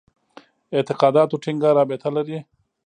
اعتقاداتو ټینګه رابطه لري.